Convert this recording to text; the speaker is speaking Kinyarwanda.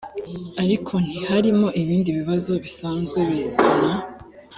ariko ntiharimo ibindi bibazo bisanzwe bizwi na